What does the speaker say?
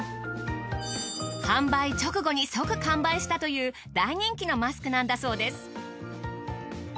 販売直後に即完売したという大人気のマスクなんだそうです。